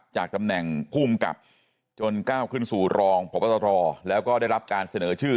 จากตำแหน่งภูมิกับจนก้าวขึ้นสู่รองพบตรแล้วก็ได้รับการเสนอชื่อ